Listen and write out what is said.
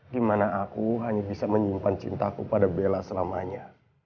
gimana aku hanya bisa menyimpan cintaku pada bella selamanya